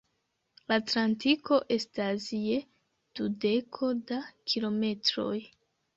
Atlantiko estas je dudeko da kilometroj.